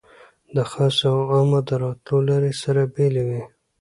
د خاصو او عامو د راتلو لارې سره بېلې وې.